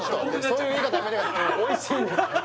そういう言い方やめておいしいんです！